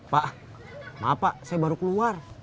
pak maaf pak saya baru keluar